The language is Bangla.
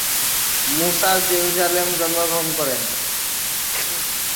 মুসা জেরুজালেমে জন্মগ্রহণ করেন।